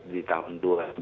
di tahun dua ribu dua